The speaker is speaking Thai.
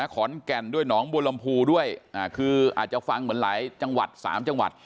ขอนแก่นด้วยหนองบัวลำพูด้วยคืออาจจะฟังเหมือนหลายจังหวัด๓จังหวัด